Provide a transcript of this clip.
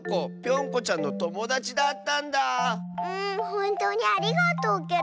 ほんとうにありがとうケロ。